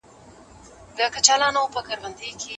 تاسي تل د خپلي روغتیا په اړه د زړه له کومي دعا کوئ.